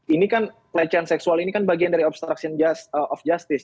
ini kan pelecehan seksual ini kan bagian dari obstruction of justice